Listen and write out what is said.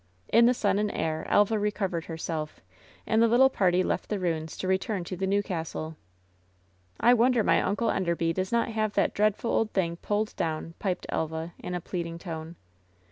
In the sun and air Elva recovered herself, and the little party left the ruins to return to the new castle. "I wonder my Uncle Enderby does not have that dreadful old thing pulled down," piped Elva, in a plead ing tone.